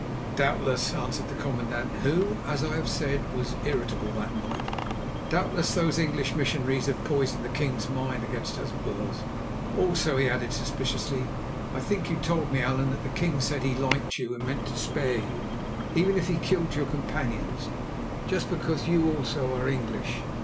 "Doubtless," answered the commandant, who, as I have said, was irritable that night, "doubtless those English missionaries have poisoned the king's mind against us Boers. Also," he added suspiciously, "I think you told me, Allan, that the king said he liked you and meant to spare you, even if he killed your companions, just because you also are English.